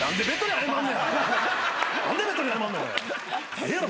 ええやろ